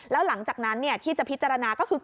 แล้วหลังจากนั้นที่จะพิจารณาก็คือ